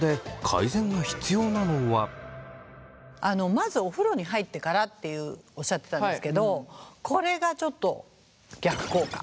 まずお風呂に入ってからっていうおっしゃってたんですけどこれがちょっと逆効果。